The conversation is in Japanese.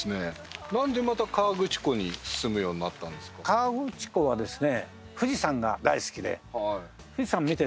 河口湖はですね。